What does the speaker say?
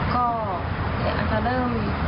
ก็อาจจะเริ่ม